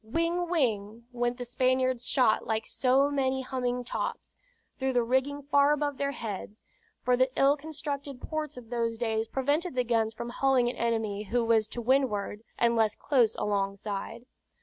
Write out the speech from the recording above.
"Whing, whing," went the Spaniard's shot like so many humming tops, through the rigging far above their heads; for the ill constructed ports of those days prevented the guns from hulling an enemy who was to windward, unless close alongside.